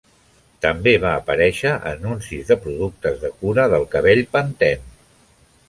També va aparèixer a anuncis de productes de cura del cabell Pantene.